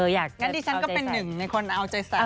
อยากเอาใจใส่งั้นดิฉันก็เป็นหนึ่งในคนเอาใจใส่